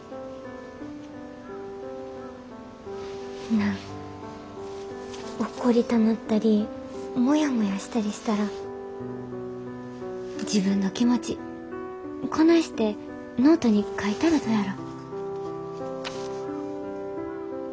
なあ怒りたなったりモヤモヤしたりしたら自分の気持ちこないしてノートに書いたらどやろ？